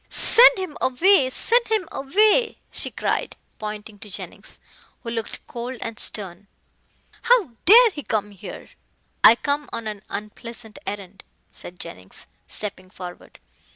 "Send him away send him away!" she cried, pointing to Jennings, who looked cold and stern. "How dare he come here." "I come on an unpleasant errand," said Jennings, stepping forward.